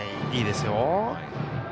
いいですよ。